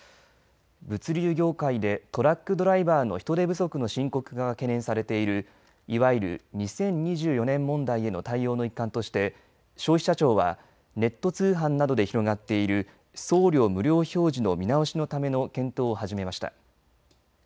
物流業界でトラックドライバーの人手不足の深刻化が懸念されているいわゆる２０２４年問題への対応の一環として消費者庁はネット通販などで広がっている送料無料表示の見直しのための検討を始めました。